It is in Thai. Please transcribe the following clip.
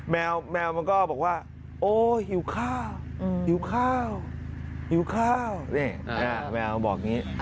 แมวแมวมันก็บอกว่าโอ้หิวข้าวหิวข้าวหิวข้าวนี่แมวบอกอย่างนี้